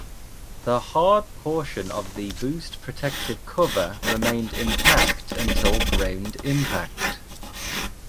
The hard portion of the boost protective cover remained intact until ground impact.